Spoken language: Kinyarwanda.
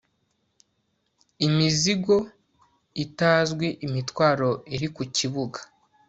imizigo itazwi imitwaro iri ku kibuga